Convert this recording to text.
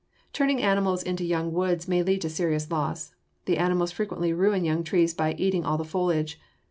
Turning animals into young woods may lead to serious loss. The animals frequently ruin young trees by eating all the foliage.